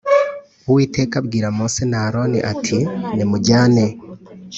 Uwiteka abwira Mose na Aroni ati “Nimujyane”.